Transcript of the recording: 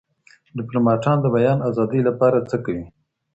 ډیپلوماټان د بیان ازادۍ لپاره څه کوي؟